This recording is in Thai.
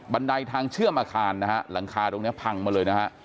บันไดทางเชื่อมอาคารหลังคาตรงนี้พังมาเลย